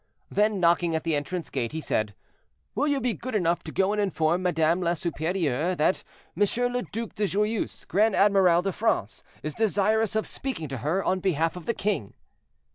Then, knocking at the entrance gate, he said, "Will you be good enough to go and inform Madame la Supérieure that Monsieur le Duc de Joyeuse, Grand Amiral de France, is desirous of speaking to her on behalf of the king."